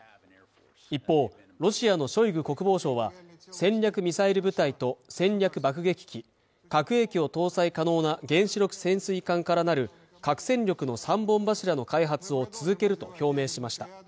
一方ロシアのショイグ国防相は戦略ミサイル部隊と戦略爆撃機核兵器を搭載可能な原子力潜水艦からなる核戦力の三本柱の開発を続けると表明しました